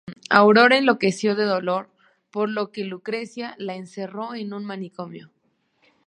Aurora enloqueció de dolor, por lo que Lucrecia la encerró en un manicomio.